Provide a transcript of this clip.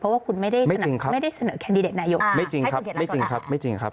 เพราะคุณไม่ได้สนับสนุนแคนดิเดตนายก